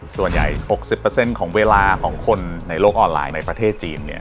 ส่วนใหญ่๖๐ของเวลาของคนในโลกออนไลน์ในประเทศจีน